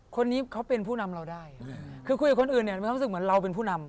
คนนี้เขาเป็นผู้นำเราได้คือคุยกับคนอื่นเนี่ยมีความรู้สึกเหมือนเราเป็นผู้นำ